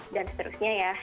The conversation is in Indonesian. dan seterusnya ya